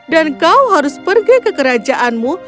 dan kau harus pergi ke kerajaanmu